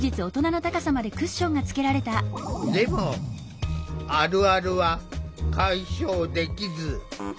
でもあるあるは解消できず。